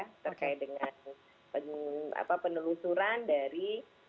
terkait dengan penelusuran dari